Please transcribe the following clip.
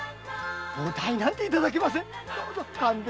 お代などいただけません。